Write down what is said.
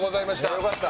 よかった。